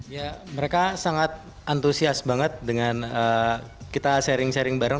ya mereka sangat antusias banget dengan kita sharing sharing bareng